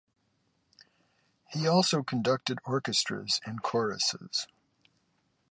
He also conducted orchestras and choruses.